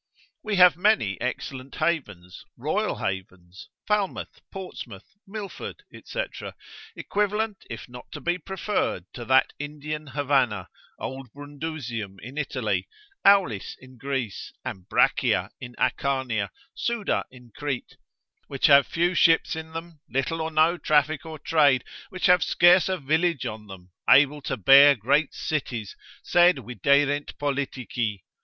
We have many excellent havens, royal havens, Falmouth, Portsmouth, Milford, &c. equivalent if not to be preferred to that Indian Havana, old Brundusium in Italy, Aulis in Greece, Ambracia in Acarnia, Suda in Crete, which have few ships in them, little or no traffic or trade, which have scarce a village on them, able to bear great cities, sed viderint politici.